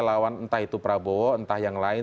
lawan entah itu prabowo entah yang lain